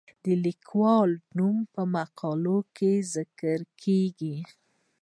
د لیکوال نوم په مقاله کې نه ذکر کیږي.